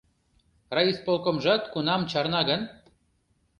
«Райисполкомжат кунам чарна гын?